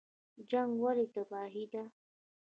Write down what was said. جنګ ولې تباهي ده؟